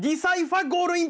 ゴールイン！